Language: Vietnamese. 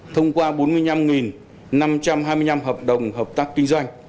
thông qua bốn mươi năm năm trăm hai mươi năm hợp đồng hợp tác kinh doanh